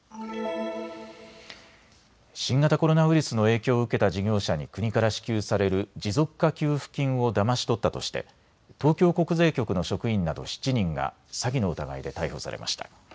新型コロナウイルスの影響を受けた事業者に国から支給される持続化給付金をだまし取ったとして東京国税局の職員など７人が詐欺の疑いで逮捕されました。